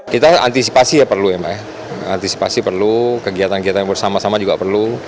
kita antisipasi ya perlu ya mbak ya antisipasi perlu kegiatan kegiatan bersama sama juga perlu